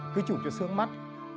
cứ chụp cho sướng mắt